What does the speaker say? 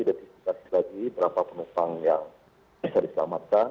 identifikasi lagi berapa penumpang yang bisa diselamatkan